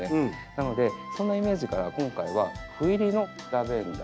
なのでそんなイメージから今回は斑入りのラベンダーと。